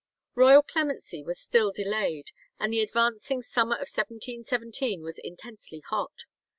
Royal clemency was still delayed, and the advancing summer of 1717 was intensely hot.